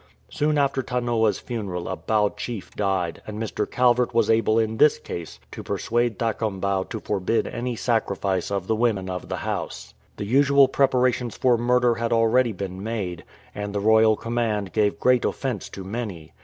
Soon after Tanoa''s funeral a Bau chief died, and ]\Ir. Calvert was able in this case to persuade Thakombau to forbid any sacrifice of the women of the house. The usual prepara tions for murder had already been made, and the royal command gave great offence to many.